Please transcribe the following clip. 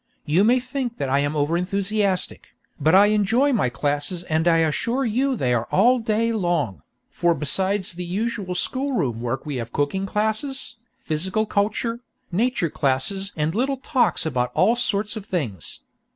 You may think that I am over enthusiastic, but I enjoy my classes and I assure you they are all day long, for besides the usual schoolroom work we have cooking classes, physical culture, nature classes and little talks about all sorts of things.